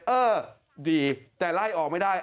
เออดีแต่ไล่ออกไม่ได้